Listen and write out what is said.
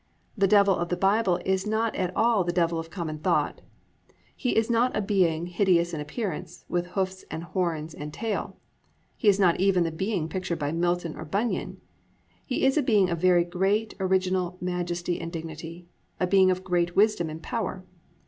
The Devil of the Bible is not at all the Devil of common thought. He is not a being hideous in appearance, with hoofs and horns and tail. He is not even the being pictured by Milton or Bunyan. He is a being of very great original majesty and dignity, a being of great wisdom and power.